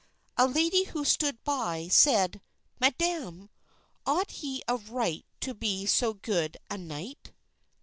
A lady who stood by said, "Madam, ought he of right to be so good a knight?"